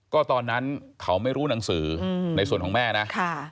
ก็ตอนนั้นเขาไม่รู้หนังสือในส่วนของแม่นะ